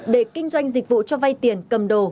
để kinh doanh dịch vụ cho vay tiền cầm đồ